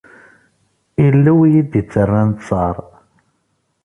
Illu i iyi-d-ittarran ttar.